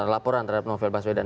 laporan terhadap novel baswedan